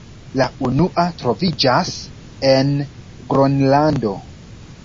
La unua troviĝas en Gronlando.